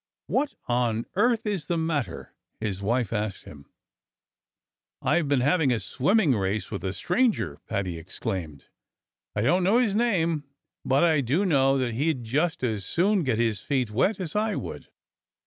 "What on earth is the matter?" his wife asked him. "I've been having a swimming race with a stranger," Paddy explained. "I don't know his name. But I do know that he'd just as soon get his feet wet as I would."